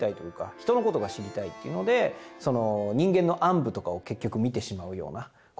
人のことが知りたいっていうのでその人間の暗部とかを結局見てしまうようなことになるわけですよね。